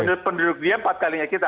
menurut penduduk dia empat kalinya kita